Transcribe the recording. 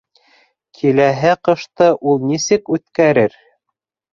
Киләһе ҡышты ул нисек үткәрер?